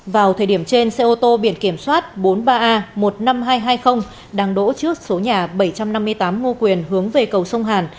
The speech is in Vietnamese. vào thời điểm trên xe ô tô biển kiểm soát bốn mươi ba a một mươi năm nghìn hai trăm hai mươi đang đỗ trước số nhà bảy trăm năm mươi tám ngô quyền hướng về cầu sông hàn